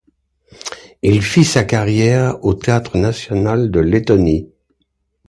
Il fit sa carrière au Théâtre National de Lettonie.